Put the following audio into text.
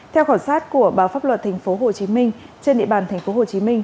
theo khảo sát của báo pháp luật tp hcm trên địa bàn tp hcm